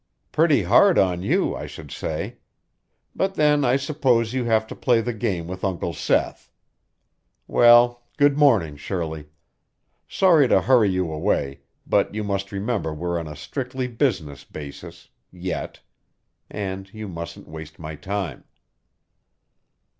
"Pretty hard on you, I should say. But then I suppose you have to play the game with Uncle Seth. Well, good morning, Shirley. Sorry to hurry you away, but you must remember we're on a strictly business basis yet; and you mustn't waste my time."